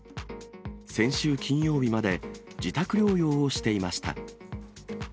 先週金曜日まで自宅療養をしていました。